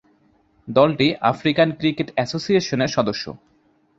দলটি African cricket অ্যাসোসিয়েশনের সদস্য।